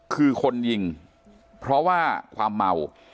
คือคนยิงเพราะว่าความเมา